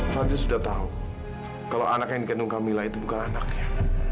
fadli sudah tahu kalau anak yang dikandung camilla itu bukan anaknya